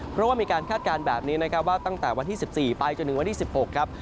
เพราะว่ามีการคาดการณ์แบบนี้นะครับว่าตั้งแต่วันที่๑๔ไปจนถึงวันที่๑๖ครับ